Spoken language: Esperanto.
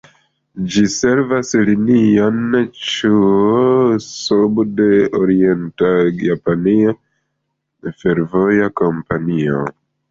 Ĝi servas Linion Ĉuo-Sobu de Orient-Japania Fervoja Kompanio.